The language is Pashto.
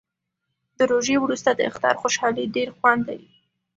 د روژې وروسته د اختر خوشحالي ډیر خوند لري